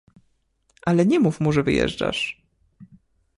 — Ale nie mów mu, że wyjeżdżasz!